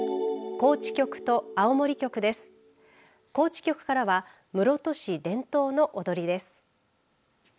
高知局からは室戸市伝統の踊りです。